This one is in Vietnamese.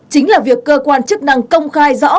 chính là việc cơ quan chức năng công khai rõ